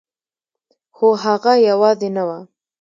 خو هغه یوازې نه وه